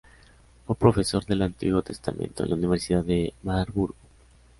Fue profesor del Antiguo Testamento en la Universidad de Marburgo.